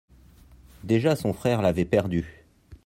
Déjà son frère l'avait perdu.